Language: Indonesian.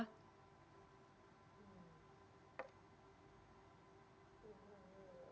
terima kasih pak